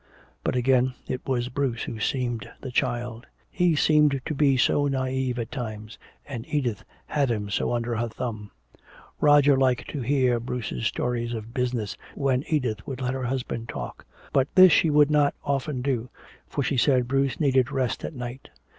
But again it was Bruce who seemed the child. He seemed to be so naïve at times, and Edith had him so under her thumb. Roger liked to hear Bruce's stories of business, when Edith would let her husband talk. But this she would not often do, for she said Bruce needed rest at night.